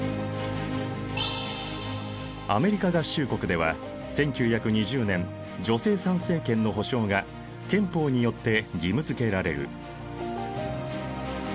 アメリカ合衆国では１９２０年女性参政権の保障が憲法によって義務づけられる。